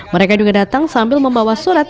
mereka juga datang sambil membawa surat